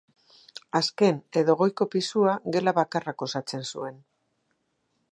Azken edo goiko pisua gela bakarrak osatzen zuen.